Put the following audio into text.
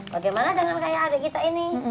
bagaimana dengan kayak adik kita ini